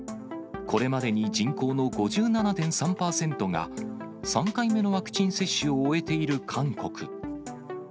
これまでに人口の５７．３％が、３回目のワクチン接種を終えている韓国。